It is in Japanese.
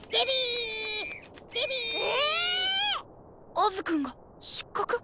アズくんが失格。